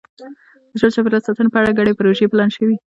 د ژوند چاپېریال ساتنې په اړه ګډې پروژې پلان شوي.